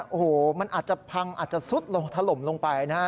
โอ้โฮมันอาจจะพังอาจจะสุดถล่มลงไป